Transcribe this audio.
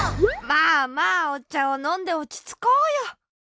まあまあおちゃをのんでおちつこうよ。